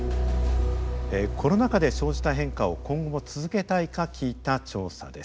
コロナ禍で生じた変化を今後続けたいか聞いた調査です。